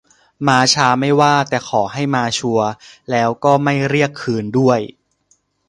ม้าช้าไม่ว่า แต่ขอให้มาชัวร์ แล้วก็ไม่เรียกคืนด้วย